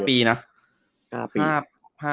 เยอะนะครับ๕ปีนะ